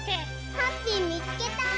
ハッピーみつけた！